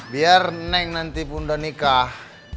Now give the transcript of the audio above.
biar neng nanti pun udah nikah